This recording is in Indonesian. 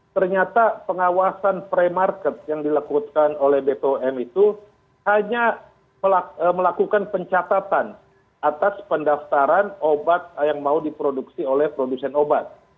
ternyata pengawasan pre market yang dilakukan oleh bpom itu hanya melakukan pencatatan atas pendaftaran obat yang mau diproduksi oleh produsen obat